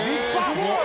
「すごい！」